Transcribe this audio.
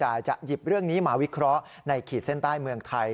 อยากจะหยิบเรื่องนี้มาวิเคราะห์ในขีดเส้นใต้เมืองไทย